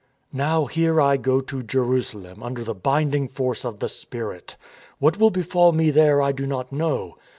" Now here I go to Jerusalem under the binding force of the Spirit. What will befall me there I do not know.